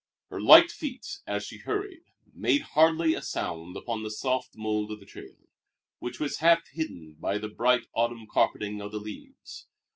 Her light feet, as she hurried, made hardly a sound upon the soft mould of the trail, which was half hidden by the bright autumn carpeting of the leaves.